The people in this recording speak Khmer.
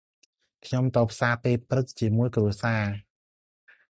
ខ្ញុំទៅផ្សារពេលព្រឹកជាមួយគ្រួសារ។